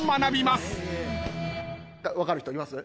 分かる人います？